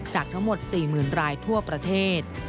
จากทั้งหมด๔๐๐๐รายทั่วประเทศ